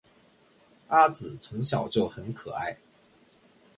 阿梓从小就很可爱